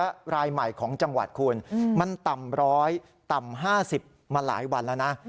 และรายใหม่ของจังหวัดคุณมันต่ำ๑๐๐ต่ำ๕๐มาหลายวันแล้วนะ